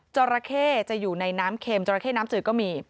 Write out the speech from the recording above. จราเข้จะอยู่ในน้ำเค็มจราเข้น้ำจืดก็มี